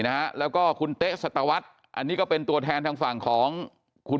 นะฮะแล้วก็คุณเต๊ะสัตวรรษอันนี้ก็เป็นตัวแทนทางฝั่งของคุณ